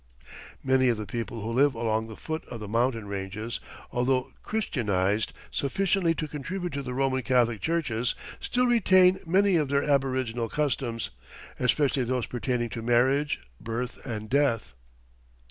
] Many of the people who live along the foot of the mountain ranges, although Christianized sufficiently to contribute to the Roman Catholic churches, still retain many of their aboriginal customs, especially those pertaining to marriage, birth and death.